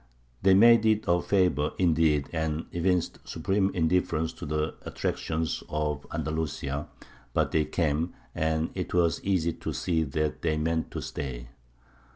They made it a favour, indeed, and evinced supreme indifference to the attractions of Andalusia; but they came, and it was easy to see that they meant to stay.